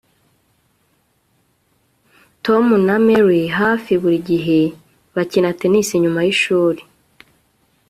Tom na Mary hafi buri gihe bakina tennis nyuma yishuri